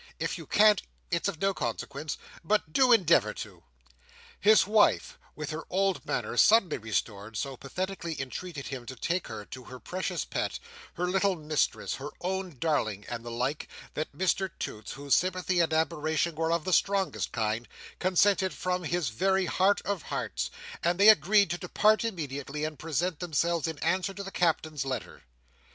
If you can't, it's of no consequence—but do endeavour to!" His wife, with her old manner suddenly restored, so pathetically entreated him to take her to her precious pet, her little mistress, her own darling, and the like, that Mr Toots, whose sympathy and admiration were of the strongest kind, consented from his very heart of hearts; and they agreed to depart immediately, and present themselves in answer to the Captain's letter.